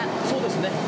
そうですね。